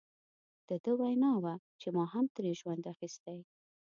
د ده وینا وه چې ما هم ترې ژوند اخیستی.